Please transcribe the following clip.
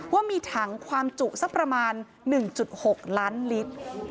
ว่ามีถังความจุสักประมาณ๑๖ล้านลิตร